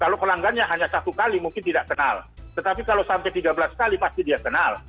kalau pelanggannya hanya satu kali mungkin tidak kenal tetapi kalau sampai tiga belas kali pasti dia kenal